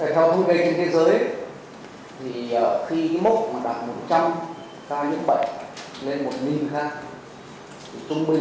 trước lo ngại việt nam có thể tăng một ca nhiễm vào ngày ba mươi một tháng ba